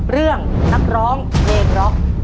เรื่องนักร้องเมล็ดล็อค